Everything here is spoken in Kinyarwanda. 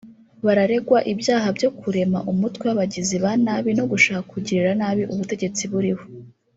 Bararegwa ibyaha byo kurema umutwe w’abagizi ba nabi no gushaka kugirira nabi ubutegetsi buriho